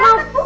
ini berapa bu